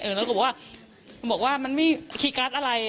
แล้วก็บอกว่ามันไม่คีย์การ์ดอะไร